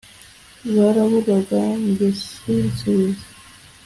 Baravugaga jye sinsubize.